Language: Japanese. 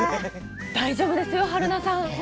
大丈夫ですよ春菜さん。